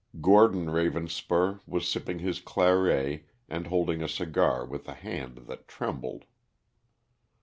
Gordon Ravenspur was sipping his claret and holding a cigar with a hand that trembled.